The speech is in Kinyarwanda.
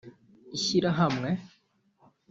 Ishyirahamwe